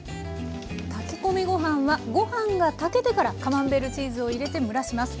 炊き込みご飯はご飯が炊けてからカマンベールチーズを入れて蒸らします。